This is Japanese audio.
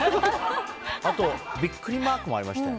あとビックリマークもありました。